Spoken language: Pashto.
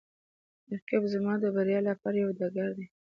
رقیب زما د بریا لپاره یوه ډګر دی